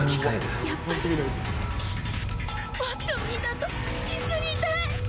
やっぱりもっとみんなと一緒にいたい！